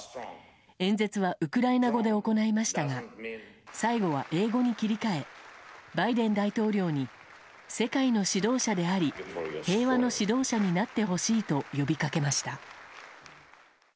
演説はウクライナ語で行いましたが最後は、英語に切り替えバイデン大統領に世界の指導者であり平和の指導者になってほしいと呼びかけました。